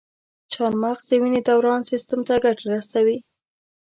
چارمغز د وینې دوران سیستم ته ګټه رسوي.